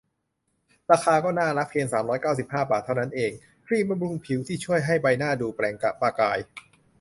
ราคาก็น่ารักเพียง สามร้อยเก้าสิบห้า บาท เท่านั้นเอง ครีมบำรุงผิวที่ช่วยให้ใบหน้าดูเปล่งประกาย